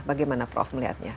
bagaimana prof melihatnya